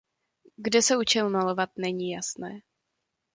Kde se učil malovat není jasné.